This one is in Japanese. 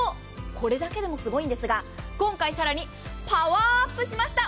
これだけでもすごいんですが今回更にパワーアップしました。